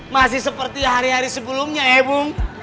masih seperti hari hari sebelumnya ya bu